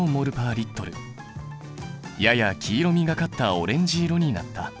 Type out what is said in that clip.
やや黄色みがかったオレンジ色になった。